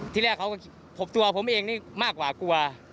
ที่แรกเขาก็พบตัวผมเองนี่มากกว่ากลัว